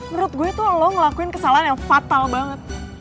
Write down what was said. menurut gue tuh lo ngelakuin kesalahan yang fatal banget